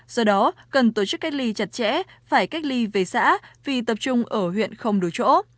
do đó cần tổ chức cách ly chặt chẽ phải cách ly về xã vì tập trung ở huyện không đối chỗ